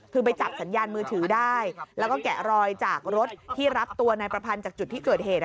คือไปจับสัญญาณมือถือได้แล้วก็แกะรอยจากรถที่รับตัวนายประพันธ์จากจุดที่เกิดเหตุ